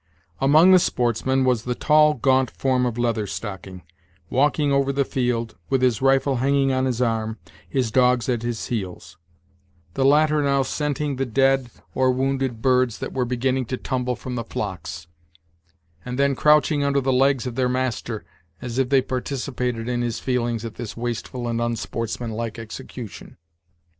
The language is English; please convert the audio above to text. Among the sportsmen was the tall, gaunt form of Leather Stocking, walking over the field, with his rifle hanging on his arm, his dogs at his heels; the latter now scenting the dead or wounded birds that were beginning to tumble from the flocks, and then crouching under the legs of their master, as if they participated in his feelings at this wasteful and unsportsmanlike execution.